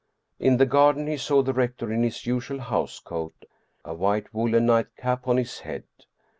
In the garden he saw the rector in his usual house coat, a white woolen nightcap on his head.